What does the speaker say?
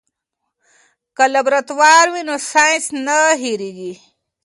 که لابراتوار وي نو ساینس نه هېریږي.